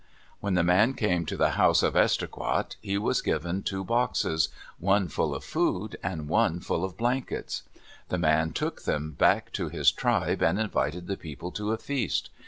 When the man came to the house of Esterreqot, he was given two boxes, one full of food and one full of blankets. The man took them back to his tribe and invited the people to a feast.